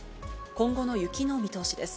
今後の雪の見通しです。